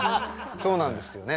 そうなんですよね